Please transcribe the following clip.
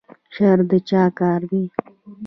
شر د چا کار دی؟